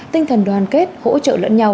tinh thần đoàn kết hỗ trợ lẫn nhau